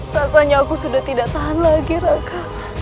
rasanya aku sudah tidak tahan lagi raka